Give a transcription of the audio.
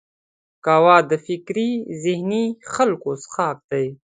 قهوه د فکري ذهیني خلکو څښاک دی